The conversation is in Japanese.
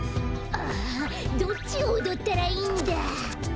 ああどっちをおどったらいいんだ？